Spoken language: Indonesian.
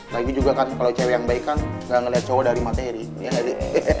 lagi juga kan kalo cewek yang baik kan gak ngeliat cowo dari materi